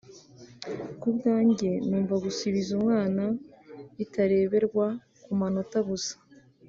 ku bwanjye numva gusibiza umwana bitareberwa ku manota gusa